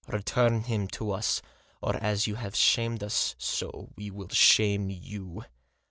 Return him to us ; or as you have shamed us so we will shame you."